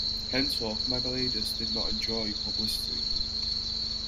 Henceforth, Maglakelidze did not enjoy publicity.